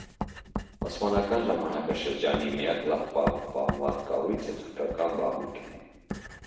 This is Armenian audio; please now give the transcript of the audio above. Օսմանական ժամանակաշրջանի միակ լավ պահպանված կառույցը թուրքական բաղնիքն է։